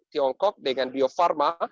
tiongkok dengan bio farma